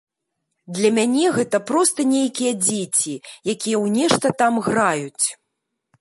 Для мяне гэта проста нейкія дзеці, якія ў нешта там граюць.